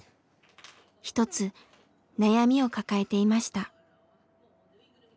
一つ悩みを抱えていました。